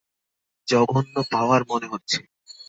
জঘন্য পাওয়ার মনে হচ্ছে।